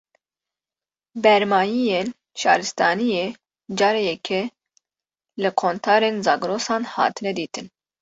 Bermayiyên şaristaniyê, cara yekê li qontarên Zagrosan hatine dîtin